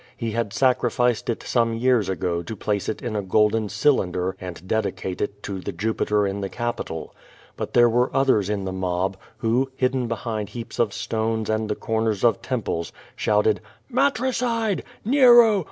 He had sacrificed it some years ago to place it in a golden cylinder and dedicate it to the Jupiter in the Capitol. But there were others in the mob, who, hidden behind heaps of stones and the corners of temples, shouted, "Matricide! Nero!